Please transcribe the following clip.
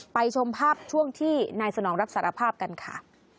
ชมภาพช่วงที่นายสนองรับสารภาพกันค่ะ